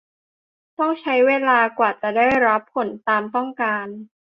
ต้องใช้เวลากว่าจะได้รับผลตามต้องการ